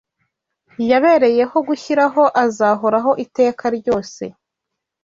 yabereyeho gushyiraho azahoraho iteka ryose.